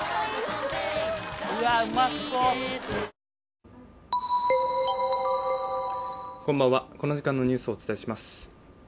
うわこんばんはこの時間のニュースをお伝えします。